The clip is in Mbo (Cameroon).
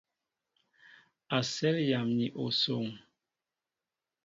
Asέl yam ni osoŋ.